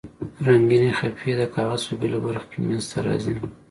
رنګینې خپې د کاغذ په بیلو برخو کې منځ ته راځي.